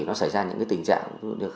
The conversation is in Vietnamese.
nó xảy ra những tình trạng